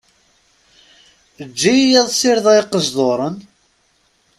Eǧǧ-iyi ad sirdeɣ iqejḍuṛen.